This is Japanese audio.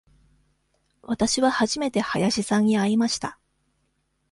わたしは初めて林さんに会いました。